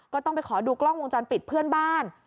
ก็ต้องไปขอดูกล้องวงจรปิดเพื่อนบ้าน